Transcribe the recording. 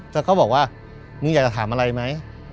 แล้วก็บอกว่ามึงอยากจะถามอะไรไหม